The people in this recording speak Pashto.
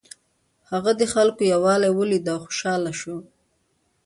هغه د خلکو یووالی ولید او خوشحاله شو.